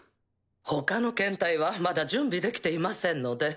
ほかの検体はまだ準備出来ていませんので。